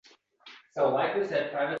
ko‘p jihatlarda boshqalardan o‘zib ketishdi.